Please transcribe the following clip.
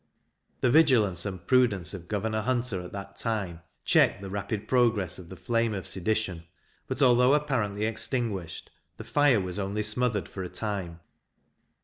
The vigilance and prudence of Governor Hunter, at that time, checked the rapid progress of the flame of sedition; but, although apparently extinguished, the fire was only smothered for a time.